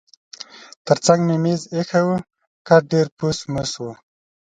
ترڅنګ یې مېز اییښی و، کټ ډېر پوس موس و.